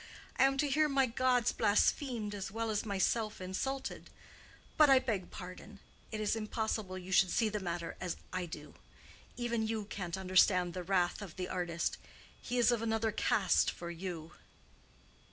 I am to hear my gods blasphemed as well as myself insulted. But I beg pardon. It is impossible you should see the matter as I do. Even you can't understand the wrath of the artist: he is of another caste for you."